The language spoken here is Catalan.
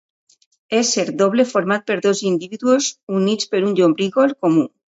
Ésser doble format per dos individus units per un llombrígol comú.